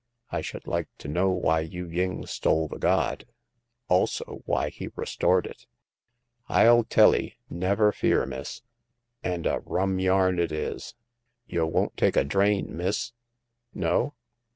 I should like to know why Yu ying stole the god ; also why he restored it." " FU tell *ee, never fear, miss ; and a rum yarn it is. Y' won't take a drain, miss ? No